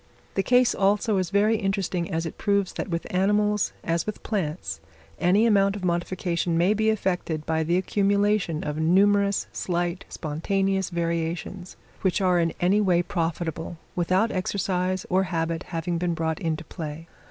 The case, also, is very interesting, as it proves that with animals, as with plants, any amount of modification may be effected by the accumulation of numerous, slight, spontaneous variations, which are in any way profitable, without exercise or habit having been brought into play.